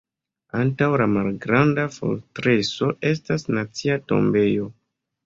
Antaŭ La malgranda fortreso estas Nacia tombejo.